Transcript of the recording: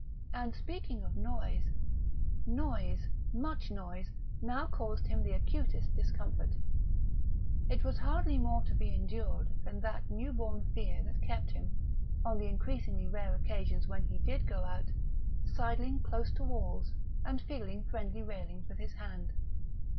And speaking of noise: noise, much noise, now caused him the acutest discomfort. It was hardly more to be endured than that new born fear that kept him, on the increasingly rare occasions when he did go out, sidling close to walls and feeling friendly railings with his hand.